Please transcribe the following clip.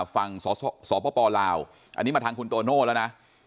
ฝั่งสปลาวอันนี้มาทางคุณโตโน่แล้วนะ